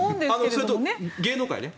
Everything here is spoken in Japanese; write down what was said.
それと芸能界ね。